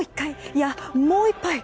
いや、もう１杯！